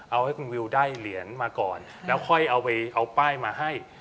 เอาให้คุณวิวได้เหรียญมาก่อนแล้วค่อยเอาไปเอาป้ายมาให้